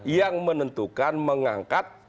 yang menentukan mengangkat